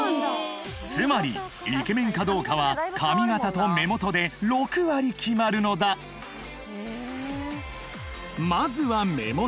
つまりイケメンかどうかは髪形と目元で６割決まるのだまずは目元